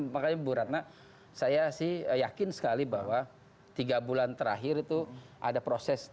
makanya bu ratna saya sih yakin sekali bahwa tiga bulan terakhir itu ada proses